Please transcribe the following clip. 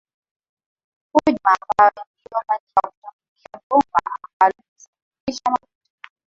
hujma ambayo iliofanywa kushambulia bomba ambalo linasafirisha mafuta